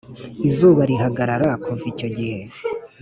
izuba rihagarara kuva icyo gihe